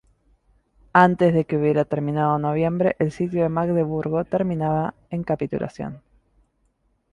Antes de que hubiera terminado noviembre, el sitio de Magdeburgo terminaba en capitulación.